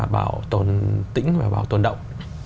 bảo tồn tĩnh và bảo tồn động